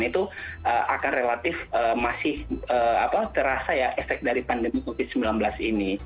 itu akan relatif masih terasa ya efek dari pandemi covid sembilan belas ini